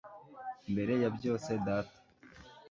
mbere ya byose data